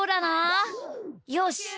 よし！